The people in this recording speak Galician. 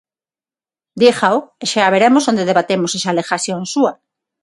Dígao e xa veremos onde debatemos esa alegación súa.